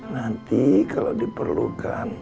nanti kalau diperlukan